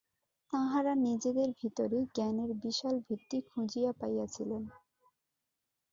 তাঁহারা নিজেদের ভিতরেই জ্ঞানের বিশাল ভিত্তি খুঁজিয়া পাইয়াছিলেন।